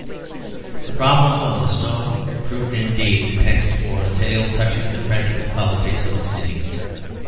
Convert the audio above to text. The problem of the snow proved indeed the text for a tale touching the practical politics of the city.